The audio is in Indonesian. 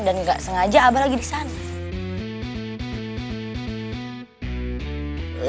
dan gak sengaja abah lagi di sana